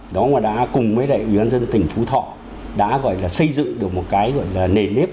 đó mà đã cùng với lại ubnd tỉnh phú thọ đã gọi là xây dựng được một cái gọi là nề nếp